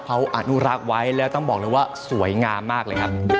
เขาอนุรักษ์ไว้แล้วต้องบอกเลยว่าสวยงามมากเลยครับ